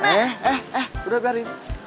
eh eh eh berapa